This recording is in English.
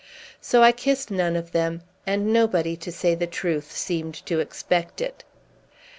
So I kissed none of them; and nobody, to say the truth, seemed to expect it.